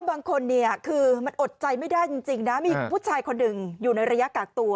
บางคนเนี่ยคือมันอดใจไม่ได้จริงนะมีผู้ชายคนหนึ่งอยู่ในระยะกากตัว